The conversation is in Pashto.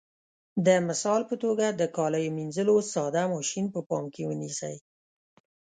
د مثال په توګه د کالیو منځلو ساده ماشین په پام کې ونیسئ.